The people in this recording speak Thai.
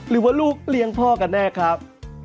หรือว่าลูกเลี้ยงพ่อกันแน่ครับ